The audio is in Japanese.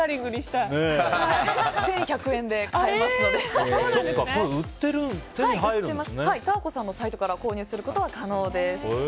たあこさんのサイトから購入することは可能です。